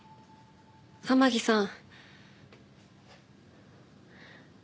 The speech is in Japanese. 天樹さん。